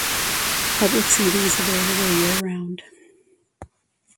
Public seating is available year round.